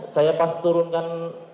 saya pas turunkan